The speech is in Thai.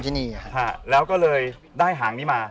ชื่องนี้ชื่องนี้ชื่องนี้ชื่องนี้ชื่องนี้